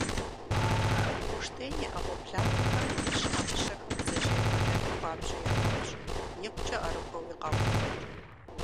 Уруштен и Ӏэгъуэблагъэхэм щыӀэ мыщэхэм бдзэжьей къуэлэн хуабжьу яфӀэфӀщ, икъукӀэ Ӏэрыхуэуи къаубыд.